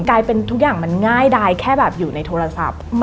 กลายเป็นทุกอย่างมันง่ายดายแค่แบบอยู่ในโทรศัพท์